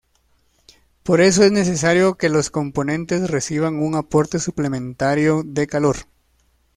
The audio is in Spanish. Por eso es necesario que los componentes reciban un aporte suplementario de calor.